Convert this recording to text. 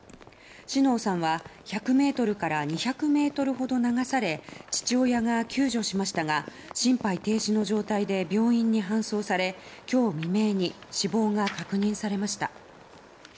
小竹さんは１００ｍから２００ｍほど流され父親が救助しましたが心肺停止の状態で病院に搬送され今日未明に死亡が確認されました。